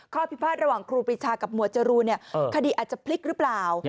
พิพาทระหว่างครูปีชากับหมวดจรูนคดีอาจจะพลิกหรือเปล่า